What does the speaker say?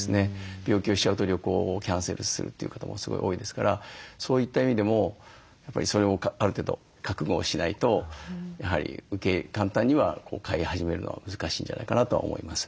病気をしちゃうと旅行をキャンセルするという方もすごい多いですからそういった意味でもそれをある程度覚悟をしないとやはり簡単には飼い始めるのは難しいんじゃないかなとは思います。